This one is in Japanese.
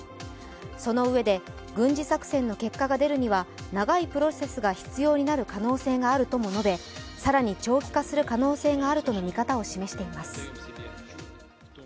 そのうえで軍事作戦の結果が出るには長いプロセスが必要になる可能性があると述べ更に長期化する可能性があるとの見方を示しています。